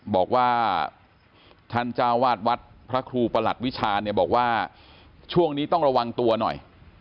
บอกว่าท่านเจ้าวาดวัดพระครูประหลัดวิชาเนี่ยบอกว่าช่วงนี้ต้องระวังตัวหน่อย